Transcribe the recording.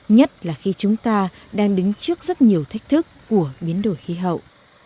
nhất là khi chúng ta đang đứng trước rất nhiều thách thức của biến đổi khí hậu